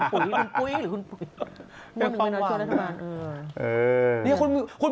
คุณปุ๊ยคุณปุ๊ยหรือคุณปุ๊ย